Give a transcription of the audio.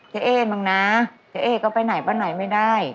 เจ๊เอ้นบ้างน่ะเจ๊เอ้ก็ไปไหนบ้างไหนไม่ได้